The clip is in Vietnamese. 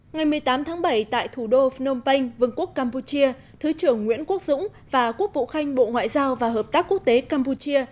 ngày một mươi tám tháng bảy tại thủ đô phnom penh vương quốc campuchia thứ trưởng nguyễn quốc dũng và quốc vụ khanh bộ ngoại giao và hợp tác quốc tế campuchia